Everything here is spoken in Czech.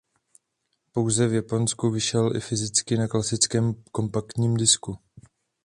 Pouze v Japonsku vyšel i fyzicky na klasickém kompaktním disku.